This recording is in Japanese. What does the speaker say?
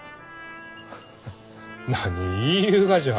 ハハ何言いゆうがじゃ？